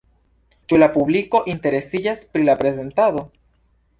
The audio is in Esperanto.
Ĉu la publiko interesiĝas pri la prezentado?